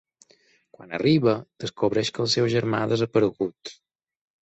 Quan arriba, descobreix que el seu germà ha desaparegut.